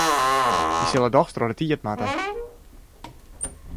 Wy sille dochs troch de tiid moatte.